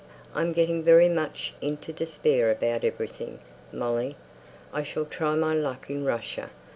I'm getting very much into despair about everything, Molly. I shall try my luck in Russia.